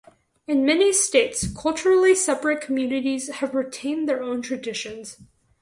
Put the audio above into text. In many states, culturally separate communities have retained their own traditions.